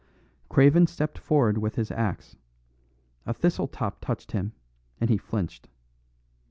Craven stepped forward with his axe; a thistle top touched him, and he flinched.